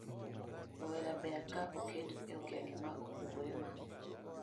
Rowere ber ka oket e okenge ma opogore mag